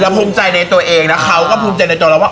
ภูมิใจในตัวเองนะเขาก็ภูมิใจในตัวเราว่า